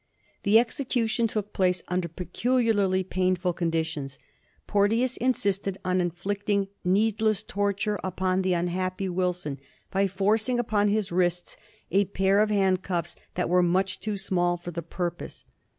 The execution took place under peculiarly painful conditions. Porteous in sisted on inflicting needless torture upon the unhappy Wilson by forcing upon his wrists a pair of handcuffs that were much too small for the purpose.